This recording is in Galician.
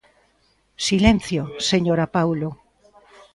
¡Silencio, señora Paulo!